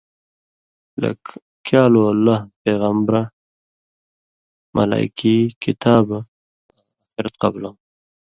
لَک: کیالو اللہ، پیغمبرہۡ، ملائکی، کتابہۡ آں آخِرت قبلؤں